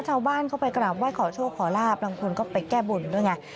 ชาวบ้านเข้าไปกราบไห้ขอโชคขอลาบบางคนก็ไปแก้บนด้วยไง